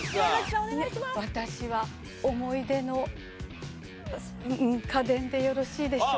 私は思い出の家電でよろしいでしょうか？